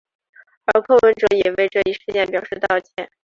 而柯文哲也为这一事件表示道歉。